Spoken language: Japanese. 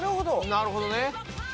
なるほどね。